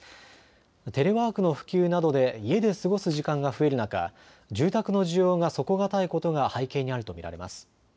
テレワークの普及などで家で過ごす時間が増える中、住宅の需要が底堅いことが背景にあると見られます。